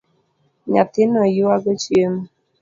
Nyathino yuago chiemo